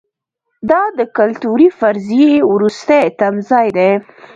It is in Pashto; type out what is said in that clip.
دا د کلتوري فرضیې وروستی تمځای دی.